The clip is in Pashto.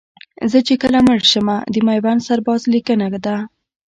زه چې کله مړ شمه د میوند سرباز لیکنه ده